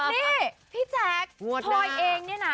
นี่พี่แจ๊คพลอยเองเนี่ยนะ